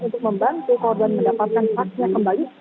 untuk membantu korban mendapatkan haknya kembali